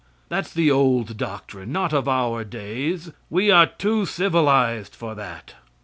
That's the old doctrine not of our days; we are too civilized for that.